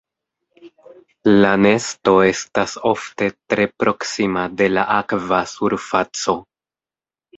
La nesto estas ofte tre proksima de la akva surfaco.